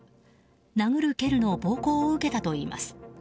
殴る蹴るの暴行を受けたといいます。